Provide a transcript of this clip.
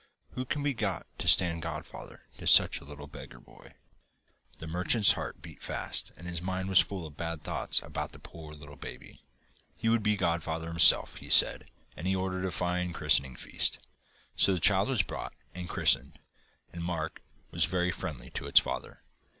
Who can be got to stand godfather to such a little beggar boy?' The merchant's heart beat fast, and his mind was full of bad thoughts about that poor little baby. He would be godfather himself, he said, and he ordered a fine christening feast; so the child was brought and christened, and Mark was very friendly to its father.